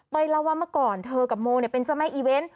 เล่าว่าเมื่อก่อนเธอกับโมเป็นเจ้าแม่อีเวนต์